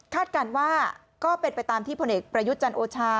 การว่าก็เป็นไปตามที่ผลเอกประยุทธ์จันทร์โอชา